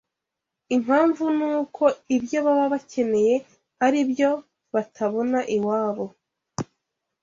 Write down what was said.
Impamvu ni uko ibyo baba bakeneye ari ibyo batabona iwabo